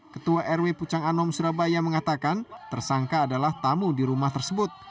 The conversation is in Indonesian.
ketua rw pucang anom surabaya mengatakan tersangka adalah tamu di rumah tersebut